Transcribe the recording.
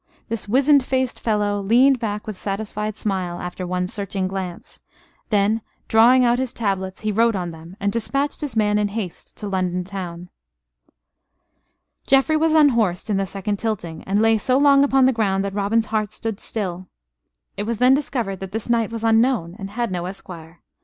This wizened faced fellow leaned back with satisfied smile, after one searching glance; then, drawing out his tablets, he wrote on them, and despatched his man in haste to London town. Geoffrey was unhorsed in the second tilting; and lay so long upon the ground that Robin's heart stood still. It was then discovered that this knight was unknown and had no esquire.